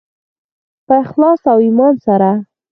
په اخلاص او ایمان سره.